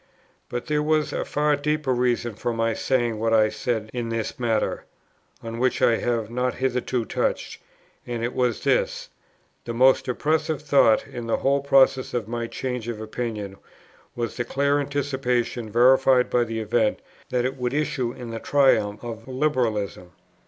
But there was a far deeper reason for my saying what I said in this matter, on which I have not hitherto touched; and it was this: The most oppressive thought, in the whole process of my change of opinion, was the clear anticipation, verified by the event, that it would issue in the triumph of Liberalism.